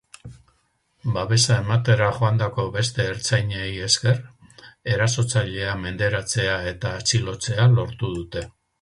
Babesa ematera joandako beste ertzainei esker, erasotzailea menderatzea eta atxilotzea lortu dute.